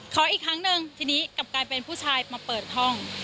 ขออีกครั้งหนึ่งทีนี้กลับกลายเป็นผู้ชายมาเปิดห้อง